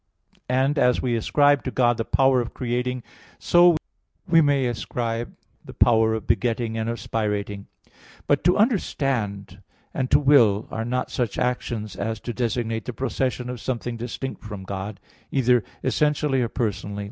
And as we ascribe to God the power of creating, so we may ascribe the power of begetting and of spirating. But "to understand" and "to will" are not such actions as to designate the procession of something distinct from God, either essentially or personally.